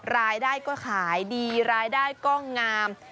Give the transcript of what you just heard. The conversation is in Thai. รายได้ก็ขายดีรายได้ก็งาม